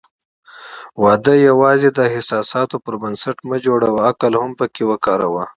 واده یوازې د احساساتو پر بنسټ مه جوړوه، عقل هم پکې وکاروه.